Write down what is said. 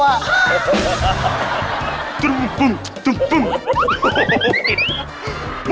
ว้าวเฮ้ยโอ๊ยไปเอ้าเอ้าว่ะ